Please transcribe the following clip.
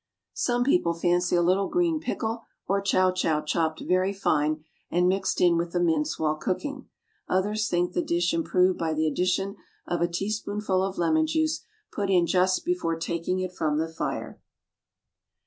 Some people fancy a little green pickle or chow chow chopped very fine and mixed in with the mince while cooking. Others think the dish improved by the addition of a teaspoonful of lemon juice put in just before taking it from the fire.